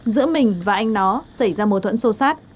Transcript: giữa mình và anh nó